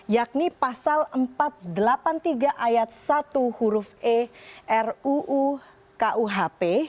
yakni pasal empat ratus delapan puluh tiga ayat satu huruf e ruu kuhp